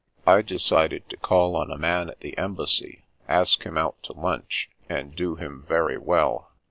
I decided to call on a man at the Embassy, ask him out to lunch, and do him very well.